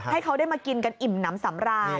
ให้เขาได้มากินกันอิ่มน้ำสำราญ